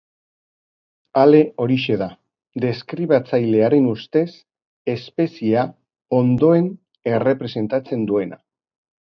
Ale horixe da, deskribatzailearen ustez, espeziea ondoen errepresentatzen duena.